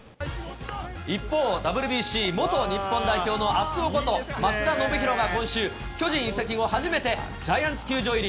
一方、ＷＢＣ元日本代表の熱男こと松田宣浩が今週、巨人移籍後、初めてジャイアンツ球場入り。